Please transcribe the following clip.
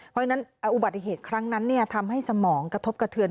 เพราะฉะนั้นอุบัติเหตุครั้งนั้นทำให้สมองกระทบกระเทือน